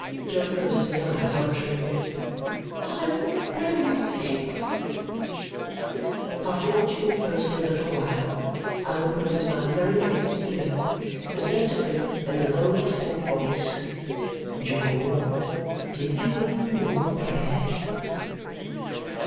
Jo closes his eyes, muttering, "I'm wery thankful." After watching him closely a little while, Allan puts his mouth very near his ear and says to him in a low, distinct voice, "Jo! Did you ever know a prayer?"